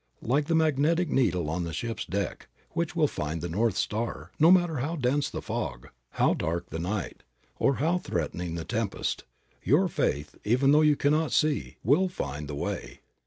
Like the magnetic needle on the ship's deck, which will find the north star, no matter how dense the fog, how dark the night, or how threatening the tempest, your faith, even though you cannot see, will find the way.